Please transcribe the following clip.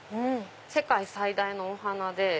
世界最大のお花で。